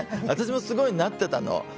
私もすごいなってたの。